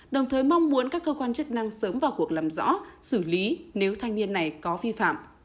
đồng thời mong muốn các cơ quan chức năng sớm vào cuộc làm rõ xử lý nếu thanh niên này có vi phạm